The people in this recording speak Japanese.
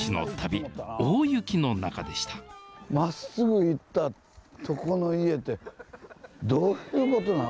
大雪の中でしたまっすぐ行ったとこの家ってどういうことなの？